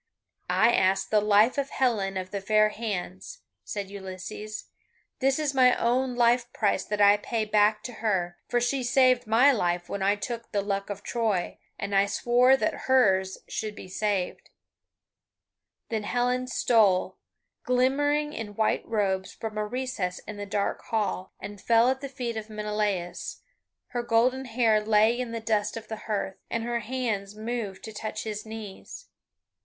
"I ask the life of Helen of the fair hands," said Ulysses "this is my own life price that I pay back to her, for she saved my life when I took the Luck of Troy, and I swore that hers should be saved." Then Helen stole, glimmering in white robes, from a recess in the dark hall, and fell at the feet of Menelaus; her golden hair lay in the dust of the hearth, and her hands moved to touch his knees.